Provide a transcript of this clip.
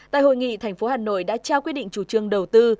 tại hội nghị thành phố hà nội đã trao quyết định chủ trương đầu tư